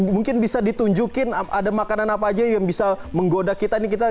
mungkin bisa ditunjukin ada makanan apa aja yang bisa menggoda kita nih